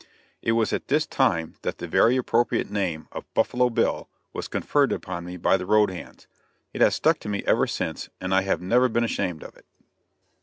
It was at this time that the very appropriate name of "Buffalo Bill," was conferred upon me by the road hands. It has stuck to me ever since, and I have never been ashamed of it.